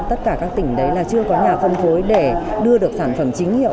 tất cả các tỉnh đấy là chưa có nhà phân phối để đưa được sản phẩm chính hiệu